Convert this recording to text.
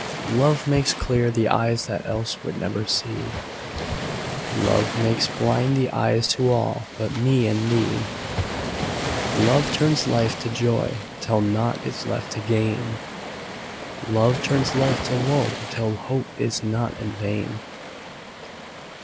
Love makes clear the eyes that else would never see: "Love makes blind the eyes to all but me and thee." Love turns life to joy till nought is left to gain: "Love turns life to woe till hope is nought and vain."